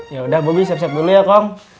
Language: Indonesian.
yaudah bobi siap siap dulu ya kong